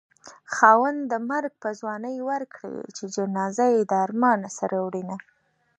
خاونده مرګ په ځوانۍ ورکړې چې جنازه يې د ارمانه سره وړينه